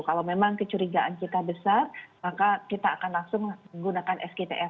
kalau memang kecurigaan kita besar maka kita akan langsung menggunakan s gain tf